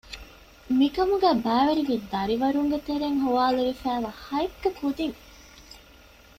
މިކަމުގައި ބައިވެރިވީ ދަރިވަރުންގެ ތެރެއިން ހޮވާލެވިފައިވާ ހައެއްކަ ކުދީން